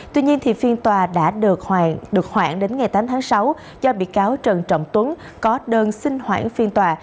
tuy nhiên phiên tòa đã được khoảng đến ngày tám tháng sáu do bị cáo trần trọng tuấn có đơn xin hoãn phiên tòa